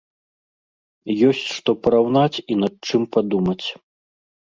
Ёсць што параўнаць і над чым падумаць.